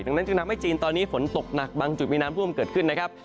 ดังนั้นจึงทำให้จีนตอนนี้ฝนตกหนักบางจุดมีน้ำท่วมเกิดขึ้นนะครับ